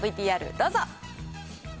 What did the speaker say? ＶＴＲどうぞ。